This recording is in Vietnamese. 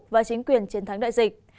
và chính quyền chiến thắng đại dịch